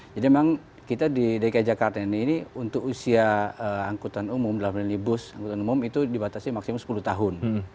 jadi memang kita di dki jakarta ini untuk usia angkutan umum dalam lini bus itu dibatasi maksimum sepuluh tahun